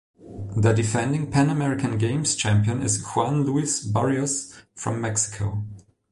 The defending Pan American Games champion is Juan Luis Barrios from Mexico.